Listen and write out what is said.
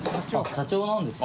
社長なんです。